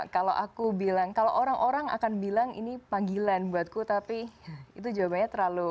kalau aku bilang kalau orang orang akan bilang ini panggilan buatku tapi itu jawabannya terlalu